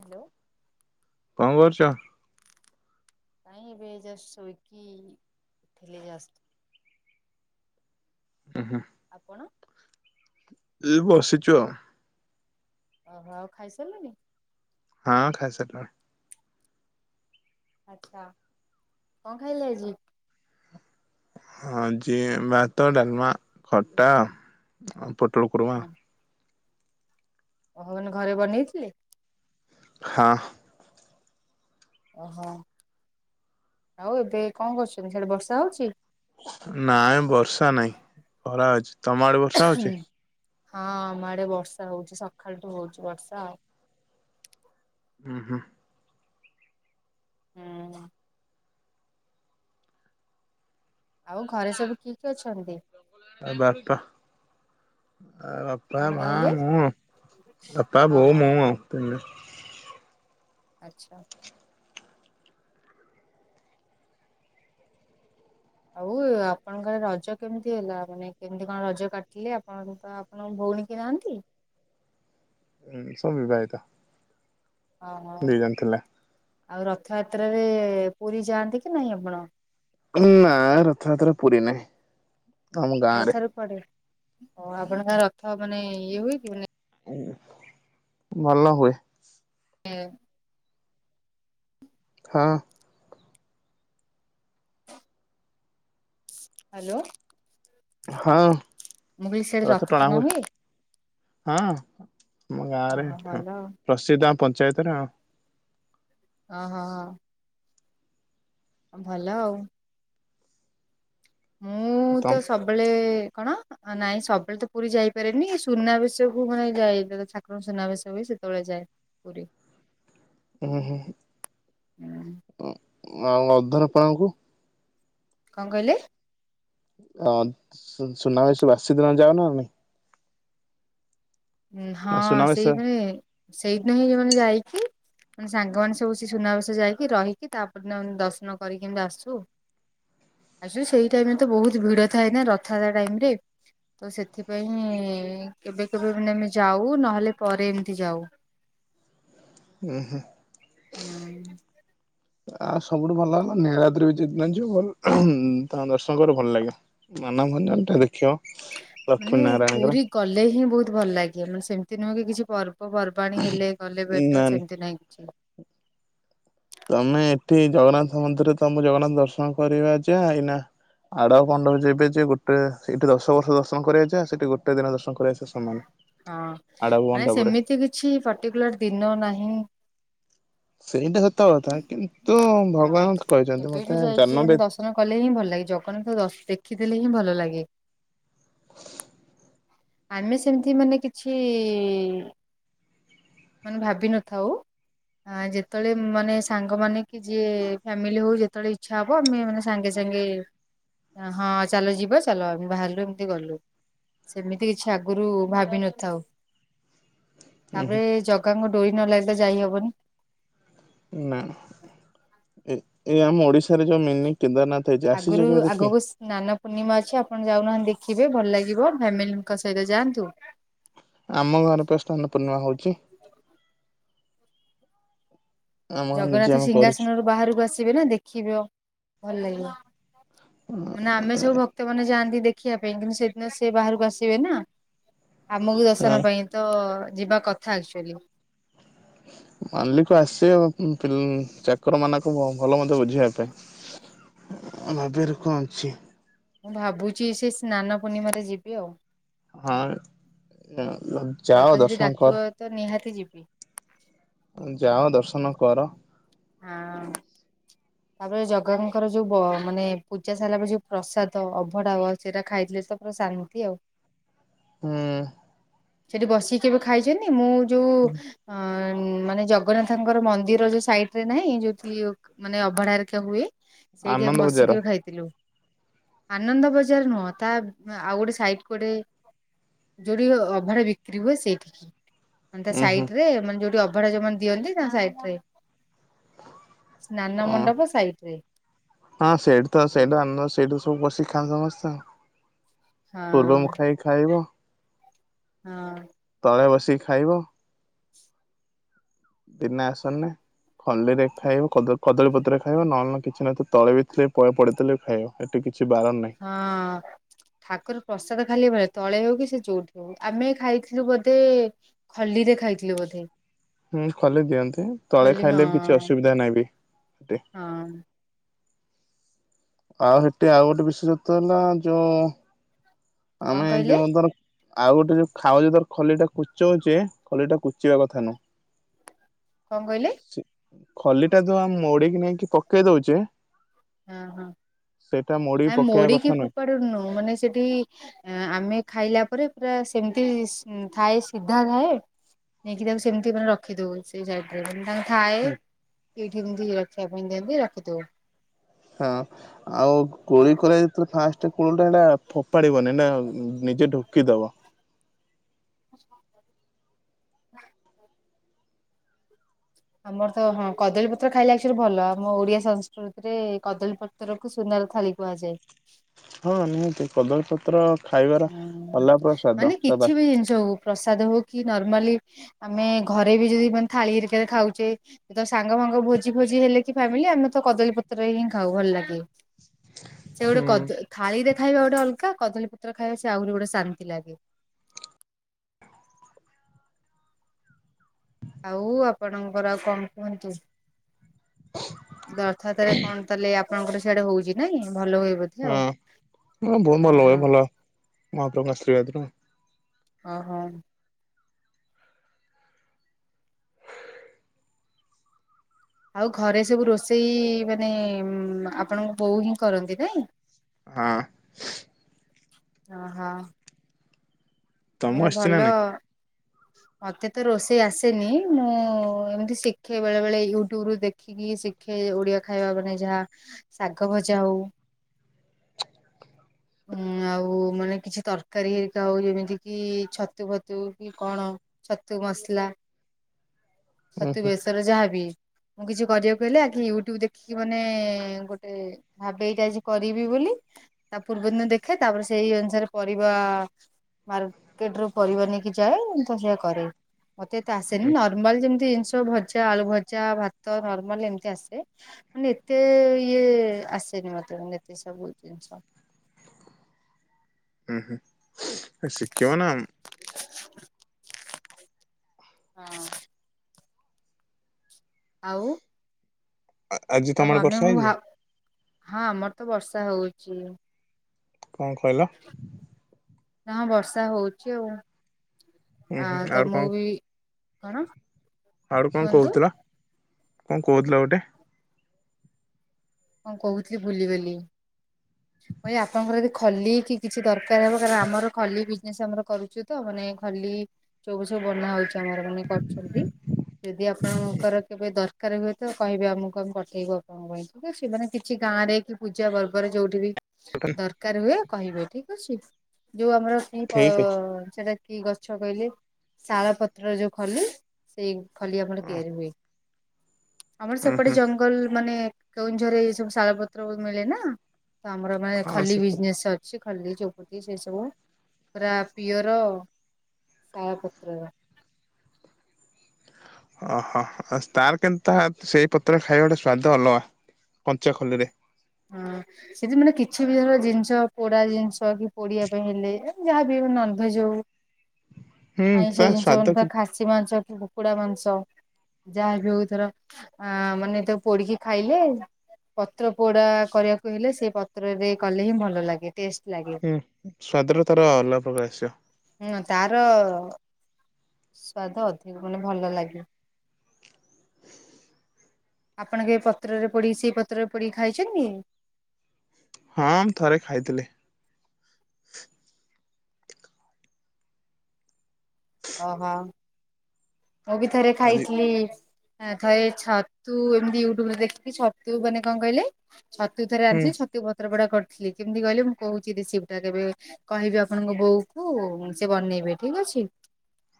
Hello କଣ କରୁଛ? ନାଇଁ ଏବେ ଜଷ୍ଟ ଶୋଇକି ଉଠିଲି ଜଷ୍ଟ। ଉଁ ହୁଁ। ଆପଣ? ଏ ବସିଚୁ ଆଉ। ଓହୋ ଆଉ ଖାଇସାରିଲଣି? ହଁ ଖାଇସାରିଲୁଣି। ଆଚ୍ଛା କଣ ଖାଇଲେ ଆଜି? ହଁ ଯେ ଭାତ, ଡାଲମା, ଖଟା, ପୋଟଳ କୁର୍ମା। ଓହୋ ଏଇନେ ଘରେ ବନେଇଥିଲେ? ହଁ। ଓହୋ ଆଉ ଏବେ କଣ କରୁଛନ୍ତି। ସେଆଡେ଼ ବର୍ଷା ହଉଛି? ନାଇଁ ବର୍ଷା ନାହିଁ ଖରା ହଉଛି। ତମ ଆଡେ ବର୍ଷା? ହଉଛି? ହୁଁ ହଁ ଆମ ଆଡେ ବର୍ଷା ହଉଛି ସକାଳଠୁ ହଉଛି ବର୍ଷା ଆଉ। ହୁଁ ହୁଁ। ହୁଁ। ଆଉ ଘରେ ସବୁ କିଏ କିଏ ଅଛନ୍ତି? ଆ ବାପା ଆ ବା ବାପା କଣ ମା କହିଲେ ମୁଁ ବାପା ବୋଉ ଓହୋ ମୁଁ ଆଉ ତିନ ଜଣ। ଆଚ୍ଛା। ଆଉ ଆପଣଙ୍କର ରଜ କେମିତି ହେଲା ମାନେ କେମିତି କଣ ରଜ କାଟିଲେ ଆପଣ ତ ଆପଣଙ୍କ ଭଉଣୀ କେହି ନାହାନ୍ତି? ହଁ ସବୁ ବିବାହିତା ଓହୋ ଆଉ ରଥଯାତ୍ରାରେ ପୁରୀ ଯାଆନ୍ତି କି ନାହିଁ ଆପଣ? ହୁ ନା ରଥ ଯାତ୍ରା ରେ ପୁରୀ ନାହିଁ ଆମ ଗାଁ ରେ ରଥରେ କୁଆଡ଼େ ଆପଣଙ୍କ ଗାଁ ରେ ରଥ ମାନେ ଇଏ ହୁଏ କି ମାନେ? ଉଁ ଭଲ ହୁଏ ଏଁ ହଁ ଅଁ [unintelligible] ହାଲୋ ହଁ ଅଁ ରଥ ଟଣା ହୁଏ ହଁ ଆମ ଗାଁ ରେ ଓହୋ ଠା ଭଲ ଆଉ। ପ୍ରସିଦ୍ଧ ଆମ ପଞ୍ଚାୟତରେ ଆଉ ଓହୋ ହ ଭଲ ଆଉ ମୁଁ ତମ ତ ସବୁବେଳେ କଣ? ନାଇଁ ସବୁବେଳେ ତ ପୁରୀ ଯାଇପାରେନି ସୁନାବେଶକୁୁ ମାନେ ଯାଏ ଠାକୁରଙ୍କ ସୁନାବେଶ ହୁଏ ସେତେବେଳେ ଯାଏ। ପୁରୀ ଉଁ ହୁଁ ହୁଁ ଉ ଆଉ ଅଧର ପଣା କୁ? କଣ କହିଲେ? ଅ ସୁନାବେଶ ବାସି ଦିନ ଯାଉନୁ ଆମେ ନା ହଁ ସୁନାବେଶ ସେଇଥିରେ ସେଇଦିନ ହିଁ ଯୋଉମାନେ ଯାଇକି ମାନେ ସାଙ୍ଗମାନେ ସବୁ ସେ ସୁନାବେସ ଯାଇକି ରହିକି ତା ପରଦିନ ଦର୍ଶନ କରିକି ଏମିତି ଆସୁ ଆସୁ ସେଇ ଟାଇମ ରେ ତ ବହୁତ ଭିଡ ଥାଏ ନା ରଥଯାତ୍ରା ଟାଇମ ରେ ତ ସେଥିପାଇଁ ହିଁ କେବେ କେବେ ମାନେ ଏମିତି ଯାଉ ନହେଲେ ପରେ ଏମିତି ଯାଉ ଓ ହୁ ହୁଁ [inaudible] ଆ ସବୁଠୁ ଭଲ ମାନେ ନୀଳାଦ୍ରି ବିଜେ ମାନେ ଯୋଉ ତାଙ୍କ ଦର୍ଶନ କରିବ ଭଲ ଲାଗିବ ମାନ ଭଞ୍ଜନ ଟା ଦେଖିବ ଲକ୍ଷ୍ମୀ ମାନେ ନାରାୟଣଙ୍କର ପୁରୀ ଗଲେ ହିଁ ବହୁତ ଭଲ ଲାଗେ ମାନେ ସେମିତି ନୁହେଁ କି କିଛି ପର୍ବ ପର୍ବା- ଣି ହେଲେ ଗଲେ ନା ଭେଟ ନା ସେମିତି ନାହିଁ କିଛି ତମେ ଏଠି ଜଗନ୍ନାଥ ମନ୍ଦିରରେ ତମକୁ ଜଗନ୍ନାଥ ଦର୍ଶନ କରିବା ଯାହା ଏଇନା ଆଡପ ମଣ୍ଡପ ଯେବେ ଯେ ଗୋଟେ ସେଇଠି ଦଶ ବର୍ଷ ଦର୍ଶନ କରିବା ଯାହା ସେଠି ଗୋଟେ ଦିନ ଦର୍ଶନ କରିବା ସହ ସମାନ ହଁ ଆଡପ ନାଇ ମଣ୍ଡପରେ ସେମିତି କିଛି ପର୍ଟିକୁଲାର ଦିନ ନାହିଁ। ସେଇଟା ସତ କଥା କିନ୍ତୁ ହଁ। ଭଗବାନ କହିଛନ୍ତି କେବେ ବି ମତେ ଯାଇକି ଜନ୍ମ ମାନେ ବେ ଦର୍ଶନ କଲେ ହିଁ ଭଲ ଲାଗେ ଜଗନ୍ନାଥ ଦ ଦେଖିଦେଲେ ହିଁ ଭଲ ଲାଗେ ଆମେ ସେମିତି ମାନେ କିଛି ମାନେ ଭାବିନଥାଉ ହ ଯେତେବେଳେ ମାନେ ସାଙ୍ଗମାନେ କି ଯିଏ ଫ୍ୟାମିଲି ହଉ ଯେତେବେଳେ ଇଛା ହବ ବ ଆମେ ମାନେ ସାଙ୍ଗେ ସାଙ୍ଗେ ହଁ ଚାଲ ଯିବା ଚାଲ ଆମେ ବାହାରିଲୁ ଏମିତି ଗଲୁ ସେମି ତି କିଛି ଆଗରୁ ଭାବି ନଥାଉ ଉଁ ହୁଁ ତାପରେ ଜ - ଗାଙ୍କ ଡୋରି ନ ଲାଗିଲେ ଯାଇହବନି ନା ଏ ଏଇ ଆମ ଓଡିଶାରେ ଯୋଉ ମିନି କେନ୍ଦାରନାଥ ହେଇଛି ଆସିଛ କେବେ ଦେଖି ନାନା ପୂର୍ଣ୍ଣିମା ଅଛି ଆପଣ ଯାଉନାହାନ୍ତି ଦେଖିବେ ଭଲ ଲାଗିବ ଫ୍ୟାମିଲି ଙ୍କ ସହିତ ଯାଆନ୍ତୁ ଆମ ଘରେ ପା ସ୍ନାନ ପୂର୍ଣ୍ଣିମା ହଉଛି। ଆମ ନିଜେ ଜଗନ୍ନାଥ ଆମେ କରୁଛୁ। ସିଂହାସନରୁୁ ବାହାରକୁ ଆସି- ବେନା ଦେଖିବ ଭଲ ଲାଗିବ ମାନେ ଆମେ ସବୁ ଭ- କ୍ତ ମାନେ ଯାଆନ୍ତି ଦେଖିବା ପାଇଁ କିନ୍ତୁ ସେଦିନ ସେ ବାହାରକୁ ଆସିବେ ନା ଆମକୁ ହଁ ଦର୍ଶନ ପାଇଁ ତ ଯିବା କଥା ଆକ୍ଚୁଆଲି ମାଲିକ ଆସିବେ ଚାକର ମାନଙ୍କ ଭଲ ମନ୍ଦ ବୁଝିବା ପାଇଁ। ଆଉ ଭାଗ୍ୟରେ କଣ ଅଛି ମୁଁ ଭାବୁଛି ସେ ସ୍ନାନ ପୂର୍ଣ୍ଣିମାରେ ଯିବି ଆଉ। ହଁ ଯାଅ ଜଗା ଯଦି ଦର୍ଶନ ଡାକିବ କର। ତ ନିହାତି ଯିବି। ଯାଅ ଦର୍ଶନ କର ହଁ ହ ତାପରେ ଜଗାଙ୍କର ଯେଉଁ ବ ମାନେ ପୂଜା ସାରିଲା ପରେ ଯେଉଁ ପ୍ରସାଦ ଅଭଢ଼ା ସେଇରା ଖାଇଥିଲେ ସବୁ ପୁରା ଶାନ୍ତି ଆଉ। ହୁଁ ସେଠି ବସିକି କେବେ ଖାଇଛନ୍ତି? ମୁଁ ଯୋଉ ଅଁ ମାନେ ଜଗନ୍ନାଥଙ୍କର ମନ୍ଦିର ଯୋଉ ସାଇଡରେ ନାହିଁ ଯୋଉ ପ୍ରିଓକ୍ ମାନେ ଅଭଢା ହେରିକା ହୁଏ ସେଇଠି ଆନନ୍ଦ ଆମେ ବଜାର ବସିକି ବି ଖାଇ - ଥିଲୁ ଆନନ୍ଦ ବଜାର ନୁହଁ ତା ଆଉ ଗୋଟେ ସାଇଟ କୋଡେ ଯୋଉଠି ଅଭଢା ବିକ୍ରି ହୁଏ ସେଇଠିକି ମାନେ ତା ଉୁଁ ହୁଁ ସାଇଟ ରେ ମାନେ ଯୋଉଠି ଅ - ଭଡ଼ା ଯୋଉମାନେ ଦିଅନ୍ତି ତା ସାଇଡ ରେ। ସ୍ନାନ ଓ ମଣ୍ଡପ ସାଇଡ ରେ ହଁ ସେଠି ତ ସେଇଟା ହଁ ସେଠୁ ସବୁ ବଶିକି ଖାଆନ୍ତି ସମସ୍ତେ। ପୂର୍ବ ହଁ ମୁଖା ହେଇ ଖାଇବ ହଁ ତଳେ ବସିକି ଖାଇବ ବିନା ଆସନ ରେ। ହଲିୀରେ ଖାଇବ କଦଳୀପତ୍ରରେ ଖାଇବ ନହେଲେ କିଛି ନ ତଳେ ବି ଥିଲେ ପଡିଥିଲେ ବି ଖାଇବ। ଏଠି କିଛି ବାରଣ ନାହିଁ ହଁ ଠାକୁର ପ୍ରସାଦ ଖାଲି ମ ତଳେ ହଉ କି ସେ ଯଉଠି ହଉ କି ଆମେ ଖାଇଥିଲୁ ବୋଧେ ହଲିରେ ଖାଇଥିଲୁ ବୋଧେ? ହୁଁ ଖୋଲି ଦିଅନ୍ତି ତଳେ ଖଲି ହଁ ଖାଇଲେ ବି କିଛି ଅସୁବିଧା ନହିଁ ବି ସେଠି। ହଁ ଆଉ ସେଠି ଆଉ ଗୋଟେ ବିଶେଷଵ ହେଲା ଯୋଉ କଣ ଆମେ କହିଲେ ଯୋଉ ଧର ଆଉ ଗୋଟେ ଯୋଉ ଖାଉଛେ ତୋର ଖଲିଟା କୁଚଉଛେ ଖଲିଟା କୁଚିବା କଥା ନୁଁହ। କଣ କହିଲେ? ଖଲିଟା ତ ଆମେ ମୋଡିକି ନେଇକି ପକେଇ ଦଉଛେ ହଁ ହଁ ସେଇଟା ମୋଡି ଆ ପକେଇବା ମୋଡିକି କଥା ନୁହେଁ। ମାନେ ସେଠି ଆମେ ଖାଇଲା ପରେ ପୁରା ସେମିତି ଥାଏ ସିଧା ଥାଏ ନେଇକି ତାକୁ ସେମିତି ମାନେଖି ଦଉ ସେ ଜାଗାରେ। ତା ଥାଏ ହୁଁ ଏଇଠିମିତି ରଖିବା ପାଇଁ ଦିଅନ୍ତି ରଖିଦଉ। ହଁ ଆଉ ହଁ କୋଳି ଯେଳେ ଫାଷ୍ଟ କୋ ସେଟା ଫୋପାଡିବନି ନିଜେ ଢୋକିଦବ। ଆମର ତ ହଁ କଦଳୀପତ୍ର ଖାଇଲେ ଆକ୍ଚୁଆଲି ଭଲ ଆମ ଓଡିଆ ସଂସ୍କୃତିରେ କଦଳୀପତ୍ର ତରକୁ ସୁନାର ଥାଳି କୁହାଯାଏ। ହଁ ନିହାତି କଦଳପତ୍ର ହୁଁ ମାନେ ବା କିଛି ବି ଜିନିଷ ହଉ ପ୍ରସାଦ ହଉ କି ନର୍ମାଲି ଆମେ ଘରେ ବି ଯଦି ମାନେ ଥାଳି ରେ ଖାଉଛେ ତ ସାଙ୍ଗ ଭାଙ୍ଗ ଭୋଜି ଭୋଜି ହେଲେ କି ଫାମିଲି ଆମେ ତ କଦଳୀପତ୍ର ହିଁ ଖାଉ ଭଲ ଲାଗେ। ସେ ଗୋଟେ ହୁଁ କ ଥାଳି ଦେଖାଇବା ଗୋଟେ ଅଲଗା କଦଳୀ ପତ୍ର ଖାଇବାସ ଆହୁରି ଗୋଟେ ଶାନ୍ତି ଲାଗେ। ଆଉ ଆପଣଙ୍କର ଆଉ କଣ କୁହନ୍ତୁ। ରଥଯାତ୍ରା ରେ କଣ ତାହେଲେ ଆପଣଙ୍କର ସିଆଡେ ହେଉଛି ନାଇଁ ଭଲ ହୁଏ ବୋଧେ? ହଁ ଆଉ ହ ବହୁତ ଭଲ ଓହୋ। ହୁଏ ଭଲ ମହାପ୍ରଭୁ ଙ୍କ ଅଶ୍ରିବାଦ୍ ରୁ। ଓହୋ। ଆଉ ଘରେ ସବୁ ରୋଷେଇ ମାନେ ଆପଣଙ୍କ ବୋଉ ହିଁ କରନ୍ତି ନାଇଁ। ହଁ। ଓହୋ। ତମକୁ ଆସିଛି ନା ଭଲ। ନାଇଁ? ମତେ ତ ରୋଷେଇ ଆସେନି ମୁଁ ଏମିତି ଶିଖେ ବେଳେ ବେଳେ ୟୁଟ୍ୟୁବ ରୁ ଦେଖ। ଖିକି ଶଖିକି ଶିଖେ ଓଡିଆ ଖାଇବା ମାନେ ଯାହା ଶାଗ ଭଜା ହଉ। ହଁ ଆଉ ମାନେ କିଛି ତରକାରୀ ହେଇଥାଉ ଯେମିତି କି ଛତୁ ଫତୁ କି କଣ ଛତୁ ମସଲା ଛତୁ ଓହୋ। ବେଶର ଯାହାବି। ମୁଁ କିଛି କରିବାକୁ ହେଲେ ଆ ୟୁଟ୍ୟୁବ ଦେଖିକି ମାନେ ଗୋଟେ। ଭାବେ ଏଇଟା ଆଜି କରିବି ବୋଲି ତା ପୂର୍ବ ଦିନ ଦେଖେ ତାପରେ ସେଇ ଅନୁସାରେ ପରିବା ମାର୍କେଟ ରୁ ପରିବା ନେଇକି ଯାଏ ତ ସେ କରେ। ମତେ ତ ଉଁ ହୁଁ। ଆସେନି ନର୍ମାଲ ଯେମିତି ଜିନିଷ ଭ ଭଜା ଆଳୁ ଭଜା ଭାତ ନର୍ମାଲ ଏମିତି ଆସେ। ମାନେ ଏତେ ଇଏ ଆସେନି ମତେ ମାନେ ଏତେ ସବୁଛି ଜିନିଷ। ହୁଁ ହୁଁ। ଶିଖିବ ନାଇ। [inaudible] [inaudible] ଆଉ। ଆଜି ତ ତମ ଆଡେ ଆମେ ବର୍ଷା ମୁଁ ହେଇଛି ଭାବ ହଁ ଆମର ତ ବର୍ଷା ହଉଛି। କଣ କହିଲ? ହଁ ବର୍ଷା ହଉଛି ଆଉ ଉଁ ଆ ହୁଁ ଆଉ ତ କଣ ମୁଁ ବି କଣ? ଆଡୁ କଣ କୁହନ୍ତୁ କହୁଥିଲ? କଣ କହୁଥିଲ ଗୋଟେ କଣ କହୁଥିଲି ଭୁଲିଗଲା। ଆପଣଙ୍କର ଯଦି ଖଲି କି କିଛି ଦରକାର ହବ କାରଣ ଆମର ଖଲି ବିଜନେସ ଆମର କରୁଛୁ। ତ ମାନେ ଖାଲି ଚୋବ ସବୁ ବନା ହଉଛି ଆମର ମାନେ କରୁଛନ୍ତି। ଯଦି ଆପଣଙ୍କର କେବେ ଦରକାର ହୁଏ ତ କହିବେ ଆମକୁ ଆମେ ପଠେଇବୁ ଆପଣ। ହ ସୋନେ କିଛି ଗାଁରେ କି ପୂଜା ପର୍ବରେ ଯୋଉଠି ଦରକାର ହୁଏ କହିବେ ଠିକ ଅଛି ଯୋଉ ଆମର ସେଇ ଠିକ୍ ଅଛି। ସେଟା କି ଗଛ କହିଲେ ଶାଳ ପତ୍ର ଯୋଉ ଖଲି ସେଇ ଖଲି ଆମର ତିଆରି ହୁଏ। ଆମର ଉଁ ସେପଟେ ହୁଁ ଜଙ୍ଗଲ ମାନେ କେଉଁଝରେ ଏ ସବୁ ଶାଳପତ୍ର ମିଳେ ନା। ତ ଆମର ମାନେ ହଁ ଖାଲି ସେ ବିଜନେସ୍ ଅଛି। କି ଖଲି ଚୋପୁଦ ସେ ସବୁ ପୁରା ପିୟର ଶାଳ ପତ୍ରର ଓହୋ ତାର କେତା ସେଇ ପତ୍ର ଖାଇବା ଗୋଟେ ସ୍ଵାଦ ଅଲଗା କଞ୍ଚାଖୋଲିରେ। [unintelligible] ହଁ ସେଠି ମାନେ କିଛି ବି ଧର ଜିନିଷ ପୋଡା ଜିନିଷ କି ପୋଡିିବା ପାଇଁ ହେଲେ ଯାହାବ ନନଭେଜ ହଉ। ହୁଁ ତ ଶାଧ୍ୟ କି ଖଷୀ ମାଂସ କି କୁକୁଡ଼ା ମାଂସ। ଯାହାବ ହଉଥର ଆ ମାନେ ତାକୁ ପୋଡିକି ଖାଇଲେ ପତ୍ର ପୋଡ଼ା କରିବାକୁ ହେଲେ ସେ ପତ୍ରରେ କଲେ ହିଁ ଭଲ ଲାଗେ ଟେଷ୍ଟ ଲାଗେ। ହୁଁ ସ୍ଵାଦର ତାର ଅଲଗା ପ୍ରକାର ଆସିବ। ହୁଁ ତାର ସ୍ଵାଦ ଅଧିକ ମାନେ ଭଲ ଲାଗେ। ଆପଣ କେ ପତ୍ରରେ ପୋଡି ସେଇ ପତ୍ରରେ ପୋଡିି ଖାଇଛନ୍ତି। ହଁ ମୁଁ ଥରେ ଖାଇଥିଲି। ଓହୋ ମୁଁ ବି ଥରେ ଆଜି ଖାଇଥିଲି। ଥରେ ଛତୁ ଏମିତି ୟୁଟ୍ୟୁବ ରେ ଦେଖିକି ଛତୁ ମାନେ କଣ କହିଲେ? ଛତୁ ଥରେ ହୁଁ ଆଣିଥିଲି ଛତୁ ପତ୍ରପୋଡା କରିଥିଲି କେମିତି କହିଲେ ମୁଁ କହୁଛି ରେସିଭଟା କେବେ କହିବି ଆପଣଙ୍କ ବୋଉ କୁ ସେ ବନେଇବେ ଠିକ ଅଛି।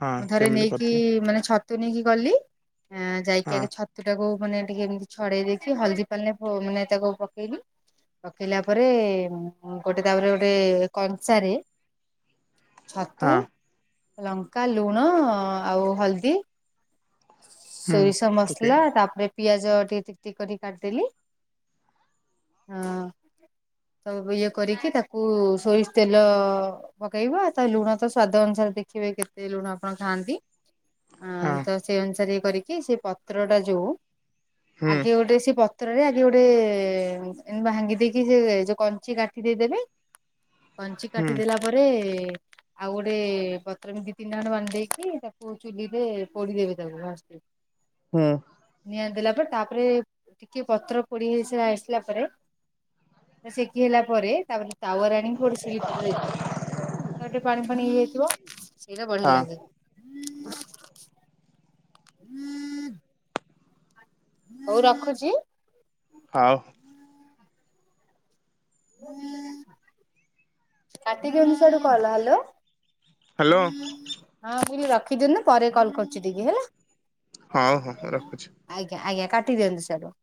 ହଁ ମୁଁ ଥରେ କେମିତି ନେଇକି କରିଥିଲ ମାନେ ଛତୁ ନେଇକି ଗଲି ଆ ଯାଇକି ହଁ ଆଗେ ଛ ଛତୁଟାକୁ ମାନେ ଟିକେ ଏମିତି ଛଡେଇ ଦେଇକି ହଳଦି ପାଣିଲେ ମାନେ ତାକୁ ପକେଇଲିି। ପକେଇଲା ପରେ ଗୋଟେ ତାପରେ ଗୋଟେ କଂସାରେ। ଛତୁ ହଁ ଲଙ୍କା ଲୁଣ ଆଉ ହଳଦୀ। ହୁଁ ସୋରିଷ ପକେଇ ମସଲା ତାପରେ ପିଆଜ ଟିକେ ଟିକଟିକ କରି କାଟିିଦେଲି। ହଁ ତ ଇଏ କରିକି ତାକୁ ସୋରିଷ ତେଲ ପକେଇବା ତା ଲୁଣ ତ ସ୍ଵାଦ ଅନୁସାରେ ଦେଖିବେ କେତେ ଲୁଣ ଆପଣ ଖାଆନ୍ତି। ଆ ହଁ ତ ସେଇ ଅନୁସାରେ ଇଏ କରିକି ସେ ପତ୍ରଟା ଯୋଉ ହୁଁ ଆଗେ ଗୋଟେ ସ ପ ପତ୍ରରେ ଆଗେ ଗୋଟେ ଭାଙ୍ଗି ଦେଇକି ସେ ଯୋଉ କଞ୍ଚି କାଠି ଦେଇଦେବି। କଞ୍ଚି ହୁଁ କାଟି ଦେଲା ପରେ ଆଉ ଗୋଟେ ପତ୍ର ଦି ତିନି ଖଣ୍ଡ ବାନ୍ଧିଦେଇକି ତାକୁ ଚୁଲିରେ ପୋଡ଼ିଦେବେ। ହ ହୁଁ। ନିଆଁ ଦେଲା ପରେ ତାପରେ ଟିକେ ପତ୍ର ପୋଡି ହେଇ ଆସିଲା ପରେ ସେକି ହେଲା ପରେ ତାପରେ ତାୱାରେ ଆଣିକି ଗୋଟେ ଶିଳିପାତ ଦେଇଥିବେ ତା ଗଟେ ପାଣି ଫାଣି ଇଏ ହେଇଥିବ। ସେଇଟା ବଢିଆ ହଁ ଲାଗେ। [inaudible] ହଉ ରଖୁଛି। ହଉ। କାଟିଦିଅନ୍ତୁ ସେୟାଡୁ କଲ୍। Hello hello. ହଁ ମୁଁ କହିଲି ରଖିଦିଅନ୍ତୁ ପରେ କଲ୍ କରୁଛି ଟିକେ ହେଲା। ହଁ ହଁ ରଖୁଛି। ଆଜ୍ଞା ଆଜ୍ଞା କାଟିଦିଅନ୍ତୁ ସିଆଡୁ।